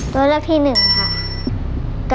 ตัวละพี่หนึ่งค่ะ